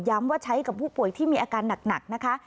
ว่าใช้กับผู้ป่วยที่มีอาการหนักนะคะ